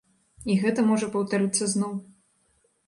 І гэта можа паўтарыцца зноў.